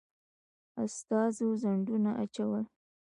استازو خنډونه اچول.